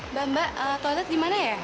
mbak mbak toilet dimana ya